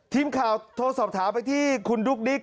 ทีมข่าวโทรสอบถามไปที่คุณดุ๊กดิ๊ก